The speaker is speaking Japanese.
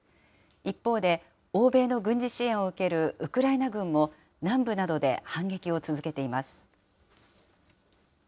一方で、欧米の軍事支援を受けるウクライナ軍も、南部などで反撃を続けています。